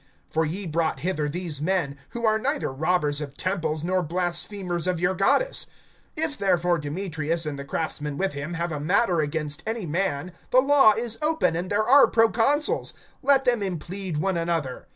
(37)For ye brought hither these men, who are neither robbers of temples, nor blasphemers of your goddess. (38)If therefore Demetrius, and the craftsmen with him, have a matter against any man, the law is open[19:38], and there are proconsuls; let them implead one another.